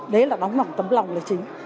đấy là đóng góp tâm lòng là chính